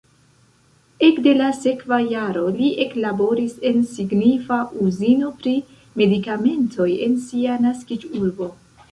Ekde la sekva jaro li eklaboris en signifa uzino pri medikamentoj en sia naskiĝurbo.